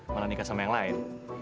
malah nikah sama yang lain